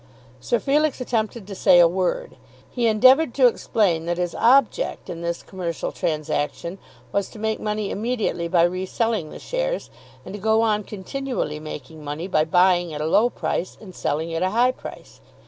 Sir Felix attempted to say a word. He endeavoured to explain that his object in this commercial transaction was to make money immediately by reselling the shares, and to go on continually making money by buying at a low price and selling at a high price.